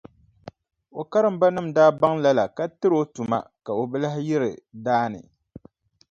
O karimbanima daa baŋ lala ka tiri o tuma ka o bi lahi yiri daa ni.